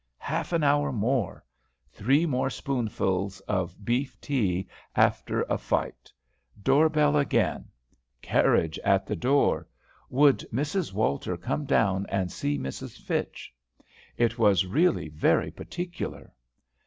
Half an hour more! Three more spoonfuls of beef tea after a fight. Door bell again. Carriage at the door. "Would Mrs. Walter come down and see Mrs. Fitch? It was really very particular."